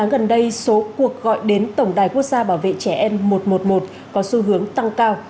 gần đây số cuộc gọi đến tổng đài quốc gia bảo vệ trẻ em một trăm một mươi một có xu hướng tăng cao